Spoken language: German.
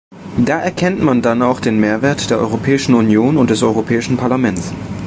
Da erkennt man dann auch den Mehrwert der Europäischen Union und des Europäischen Parlaments.